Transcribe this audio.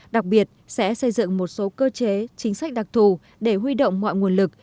đặc biệt sẽ xây dựng một số cơ chế chính sách đặc thù để huy động mọi nguồn lực